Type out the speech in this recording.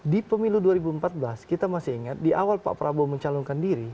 di pemilu dua ribu empat belas kita masih ingat di awal pak prabowo mencalonkan diri